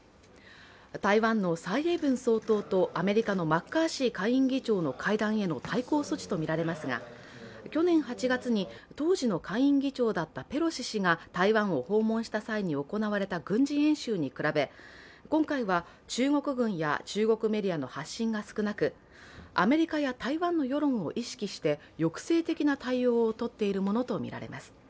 台湾の蔡英文総統とアメリカのマッカーシー下院議長の会談への対抗措置とみられますが、去年８月に当時の下院議長だったペロシ氏が台湾を訪問した際に行われた軍事演習に比べ、今回は中国軍や中国メディアの発信が少なくアメリカや台湾の世論を意識して抑制的な対応をとっているものとみられます。